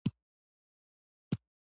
تاريخي بحثونه اوس له سپکاوي ډک دي.